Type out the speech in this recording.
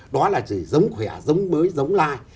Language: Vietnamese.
đó là gì giống khỏe giống mới giống lai